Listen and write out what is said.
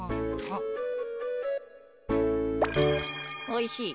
おいしい。